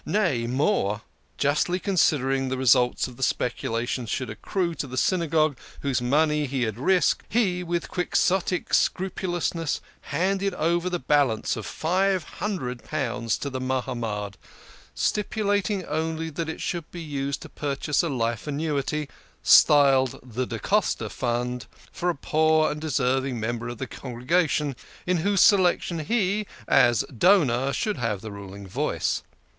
Nay, more ! Justly considering the results of the speculation should accrue to the Synagogue, whose money had been risked, he, with Quixotic scrupulousness, handed over the balance of five hundred pounds to the Mahamad, stipulat ing only that it should be used to purchase a life annuity (styled the Da Costa Fund) for a poor and deserving member of the congregation, in whose selection he, as donor, should have the ruling voice.